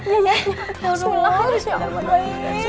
yaudah yaudah yaudah yaudah yaudah yaudah